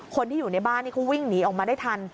คนที่อยู่ในบ้านนี่เขาวิ่งหนีออกมาได้ทัน